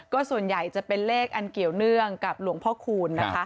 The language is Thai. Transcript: ก็ส่วนใหญ่จะเป็นเลขอันเกี่ยวเนื่องกับหลวงพ่อคูณนะคะ